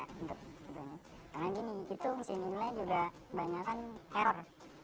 karena gini itu mesinnya juga banyak kan error